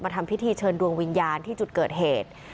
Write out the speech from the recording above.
ทำพิธีเชิญดวงวิญญาณที่จุดเกิดเหตุ